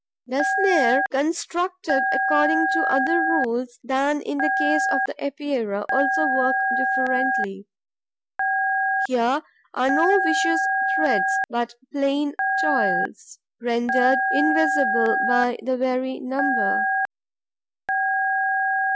The snare, constructed according to other rules than in the case of the Epeirae, also works differently. Here are no viscous threads, but plain toils, rendered invisible by the very number.